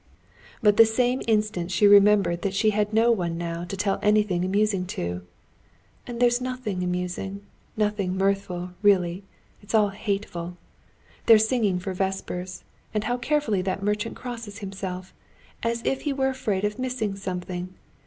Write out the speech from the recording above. But the same instant she remembered that she had no one now to tell anything amusing to. "And there's nothing amusing, nothing mirthful, really. It's all hateful. They're singing for vespers, and how carefully that merchant crosses himself! as if he were afraid of missing something.